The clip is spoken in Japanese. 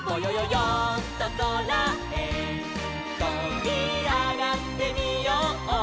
よんとそらへとびあがってみよう」